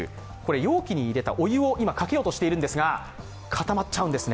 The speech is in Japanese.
容器に入れたお湯をかけようとしているんですが固まっちゃうんですね。